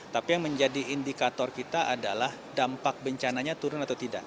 tapi yang menjadi indikator kita adalah dampak bencananya turun atau tidak